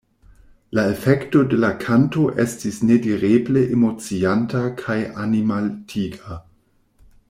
La efekto de la kanto estis nedireble emocianta kaj animaltiga.